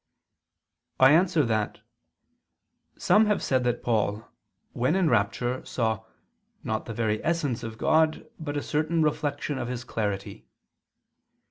I answer that, Some have said that Paul, when in rapture, saw "not the very essence of God, but a certain reflection of His clarity."